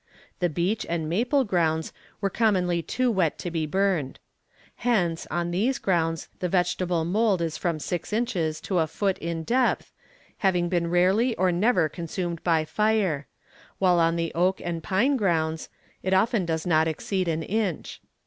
The beech and maple grounds were commonly too wet to be burned. Hence, on these grounds, the vegetable mould is from six inches to a foot in depth, having been rarely or never consumed by fire; while on the oak and pine grounds, it often does not exceed an inch.